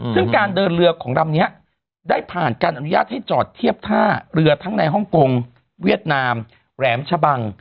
ซึ่งการเดินเรือของลำนี้ได้ผ่านการอนุญาตให้จอดเทียบท่าเรือทั้งในฮ่องกงเวียดนามแหลมชะบัง